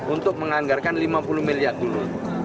untuk menganggarkan lima puluh miliar dulu